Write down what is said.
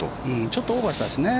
ちょっとオーバーしたんですね。